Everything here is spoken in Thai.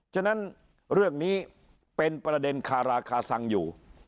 ฉะนั้นเรื่องนี้เป็นประเด็นคาราคาซังอยู่